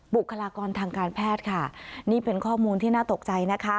บุคลากรทางการแพทย์ค่ะนี่เป็นข้อมูลที่น่าตกใจนะคะ